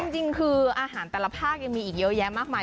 จริงคืออาหารแต่ละภาคยังมีอีกเยอะแยะมากมาย